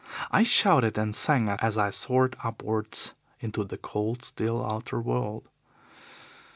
I shouted and sang as I soared upwards into the cold, still outer world.